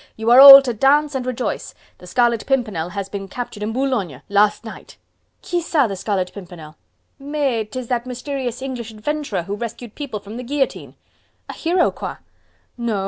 You are all to dance and rejoice.... The Scarlet Pimpernel has been captured in Boulogne, last night..." "Qui ca the Scarlet Pimpernel?" "Mais! 'tis that mysterious English adventurer who rescued people from the guillotine!" "A hero? quoi?" "No!